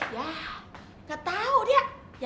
gak tau dia